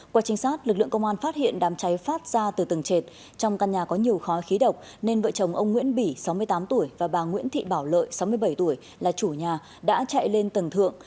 qua trinh sát lực lượng công an phát hiện đám cháy phát ra từ tầng trệt trong căn nhà có nhiều khói khí độc nên vợ chồng ông nguyễn bỉ sáu mươi tám tuổi và bà nguyễn thị bảo lợi sáu mươi bảy tuổi là chủ nhà đã chạy lên tầng thượng